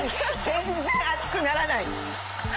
全然熱くならない。